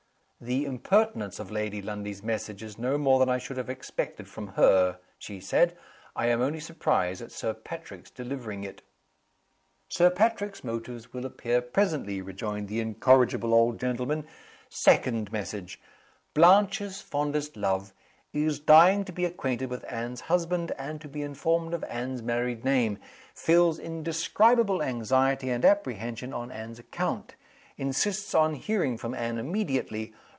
"The impertinence of Lady Lundie's message is no more than I should have expected from her," she said. "I am only surprised at Sir Patrick's delivering it." "Sir Patrick's motives will appear presently," rejoined the incorrigible old gentleman. "Second message: 'Blanche's fondest love. Is dying to be acquainted with Anne's husband, and to be informed of Anne's married name. Feels indescribable anxiety and apprehension on Anne's account. Insists on hearing from Anne immediately.